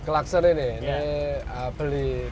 klakser ini ini beli baru